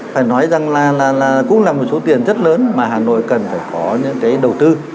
phải nói rằng là cũng là một số tiền rất lớn mà hà nội cần phải có những cái đầu tư